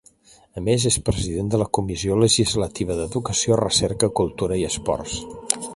A més és President de la Comissió Legislativa d’Educació, Recerca, Cultura i Esports.